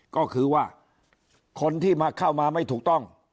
ก็คือว่าคนที่มาเข้ามาไม่ถูกต้อง